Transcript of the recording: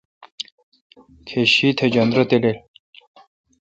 کیش شیی تھ جندر تالیل۔